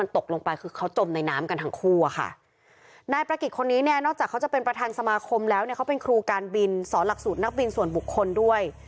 ตกลงไปคือเขาจมในน้ำกันทั้งคู่อะค่ะนายประกิจคนนี้เนี่ยนอกจากเขาจะเป็นประธานสมาคมแล้วเนี่ยเขาเป็นครูการบินสอนหลักสูตรนักบินส่วนบุคคลด้วย